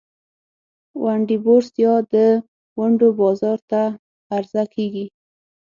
ونډې بورس یا د ونډو بازار ته عرضه کیږي.